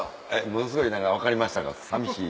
ものすごい「分かりました」が寂しい。